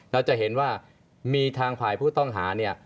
เราจะเห็นว่ามีทางฝ่ายผู้ต้องหาเนี่ย